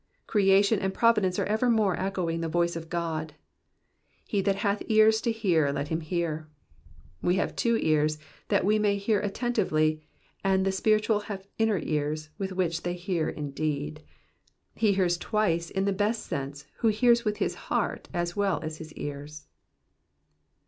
Creation and providence are evermore echoing the voice of God ;" He that hath ears to hear, let him hear." We have two ears, that we may hear attentively, and the spiritual have inner ears with which they hear indeed. He hears twice in the best sense who hears with his heart as well as his ears.